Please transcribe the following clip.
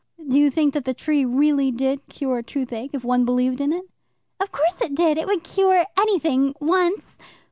"Do you think that the tree really did cure toothache, if one believed in it?" "Of course it did. It would cure anything once."